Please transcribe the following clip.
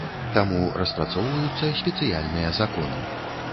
Таму распрацоўваюцца спецыяльныя законы.